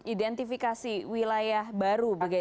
identifikasi wilayah baru